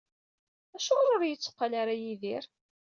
Acuɣer ur yetteqqal ara Yidir?